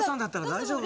大丈夫。